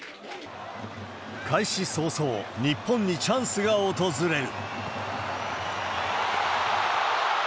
開始早々、日本にチャンスが訪れる。